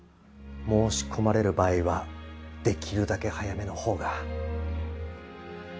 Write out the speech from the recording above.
申し込まれる場合はできるだけ早めの方が。